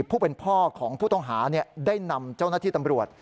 ผู้เป็นพ่อของผู้ต้องหาได้นำเจ้าหน้าที่ตำรวจ